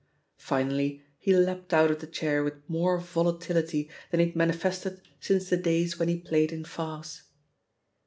Finally he leapt out of the chair with more volatility than he had manifested since the days when he played in farce.